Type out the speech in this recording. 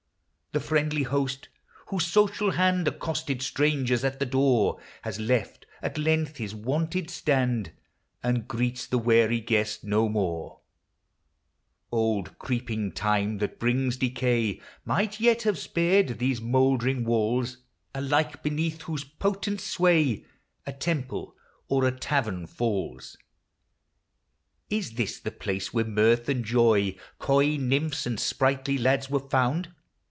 The friendly Host, whose social hand Accosted strangers at the door, Has left at length his wonted stand, And greets the weary guest no more Old creeping Time, that brings decay. Might yet have spared these moldering walla 316 POEMS OF SENTIMENT. Alike beneath whose potent sway A temple or a tavern falls. Is this the place where mirth and joy, Coy nymphs, and sprightly lads were found